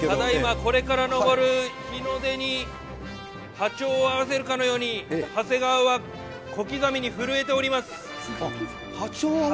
これから昇る日の出に、波長を合わせるかのように、長谷川は、小刻みに震えております。